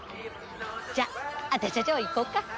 じゃあ私たちは行こうか。